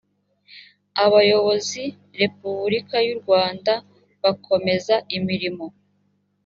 abayobozi repubulika y u rwanda bakomeza imirimo